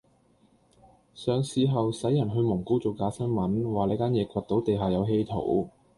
上市後洗人去蒙古做假新聞，話你間野挖到地下有稀土